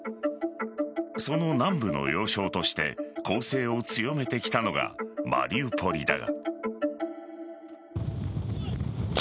その南部の要衝として攻勢を強めてきたのがマリウポリだが。